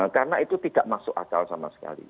karena itu tidak masuk akal sama sekali